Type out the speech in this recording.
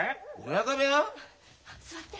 座って。